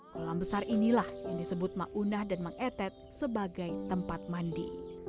kolam besar inilah yang disebut maunah dan mang etet sebagai tempat mandi